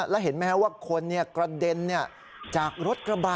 แล้วเห็นไหมว่าคนกระเด็นจากรถกระบะ